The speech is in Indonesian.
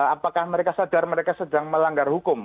apakah mereka sadar mereka sedang melanggar hukum